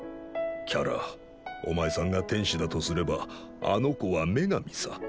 キャラお前さんが天使だとすればあの子は女神さ。